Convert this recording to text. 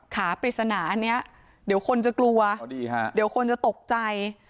ปริศนาอันนี้เดี๋ยวคนจะกลัวเดี๋ยวคนจะตกใจ